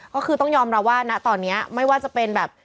ก็คือต้องยอมรับว่าณตอนนี้ไม่ว่าจะเป็นแบบ